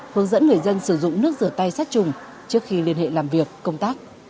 hướng dẫn người dân sử dụng nước rửa tay sát trùng trước khi liên hệ làm việc công tác